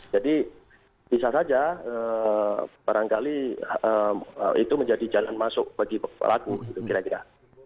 jadi bisa saja barangkali itu menjadi jalan masuk bagi pelaku kira kira